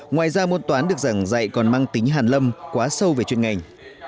ngoài ra môn toán được giảng dạy còn mang tính hàn lâm quá sâu về chuyên ngành